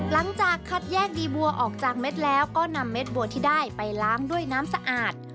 หลังจากคัดแยกดีบัวออกจากเม็ดแล้วก็นำเม็ดบัวที่ได้ไปล้างด้วยน้ำสะอาด